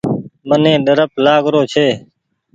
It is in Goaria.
مني ڏرپ لآگ رو ڇي۔